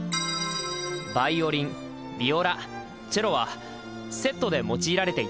ヴァイオリンヴィオラチェロはセットで用いられていたんだよ。